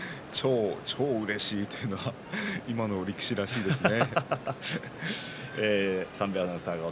超うれしいというのは今の力士らしいですね。